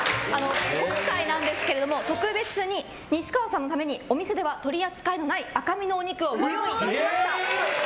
今回ですが特別に西川さんのためにお店では取り扱いのない赤みのお肉をご用意してくれました！